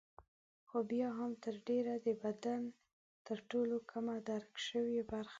خو بیا هم تر ډېره د بدن تر ټولو کمه درک شوې برخه ده.